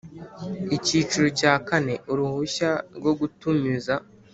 Icyiciro cya kane Uruhushya rwo gutumiza